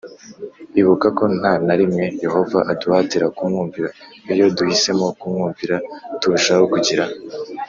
Ibuka ko nta na rimwe Yehova aduhatira kumwumvira Iyo duhisemo kumwumvira turushaho kugira